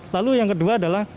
lalu yang kedua adalah